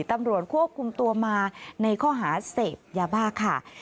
ตำรวจควบคุมตัวมาในข้อหาเสพยาบ้าค่ะ